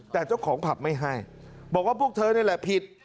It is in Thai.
แต่เจ้าของผับไม่ให้บอกว่าพวกเธอนี่แหละผิด